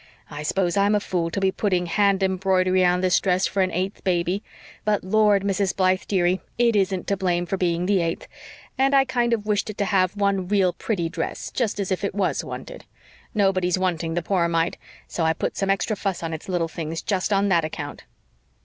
I s'pose I'm a fool, to be putting hand embroidery on this dress for an eighth baby. But, Lord, Mrs. Blythe, dearie, it isn't to blame for being the eighth, and I kind of wished it to have one real pretty dress, just as if it WAS wanted. Nobody's wanting the poor mite so I put some extra fuss on its little things just on that account."